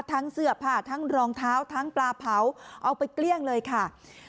ทั้งเสื้อผ้าทั้งรองเท้าทั้งปลาเผาเอาไปเกลี้ยงเลยค่ะ